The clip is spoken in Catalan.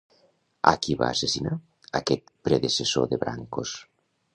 A qui va assassinar, aquest predecessor de Brancos?